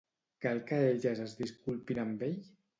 Cal que elles es disculpin amb ell?